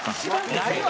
ないわ！